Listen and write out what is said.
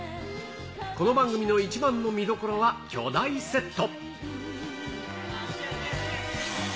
この番組の一番の見どころは、巨大セット。